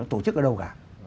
tổ chức ở đâu cả